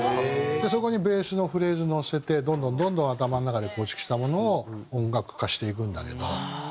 そこにベースのフレーズのせてどんどんどんどん頭の中で構築したものを音楽化していくんだけど。